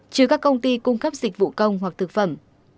chứ các công ty cung cấp dịch vụ công hoặc thực phẩm